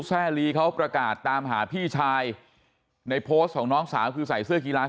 แซ่ลีเขาประกาศตามหาพี่ชายในโพสต์ของน้องสาวคือใส่เสื้อกีฬา